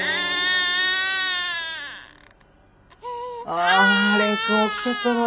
あ蓮くん起きちゃったの？